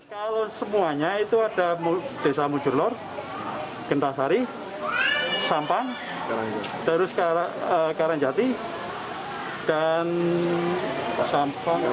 kalau semuanya itu ada desa mujurlor genta sari sampang terus karangjati dan sampang